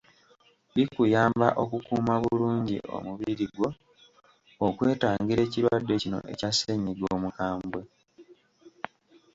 Bikuyamba okukuuma bulungi omubiri gwo okwetangira ekirwadde kino ekya ssennyiga omukambwe.